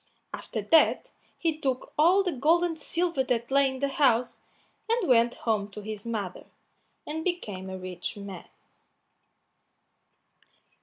After that he took all the gold and silver that lay in the house, and went home to his mother, and became a rich man.